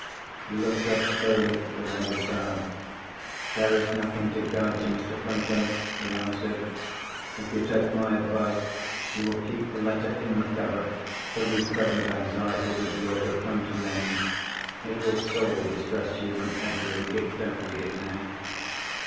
He looked up slowly, with a heavy sigh. "There is nothing to guide you, Mr. Franklin," he answered. "If you take my advice you will keep the letter in the cover till these present anxieties of yours have come to an end. It will sorely distress you, whenever you read it. Don't read it now."